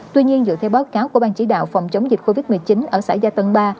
tuy nhiên dựa theo báo cáo của ban chỉ đạo phòng chống dịch covid một mươi chín ở xã gia tân ba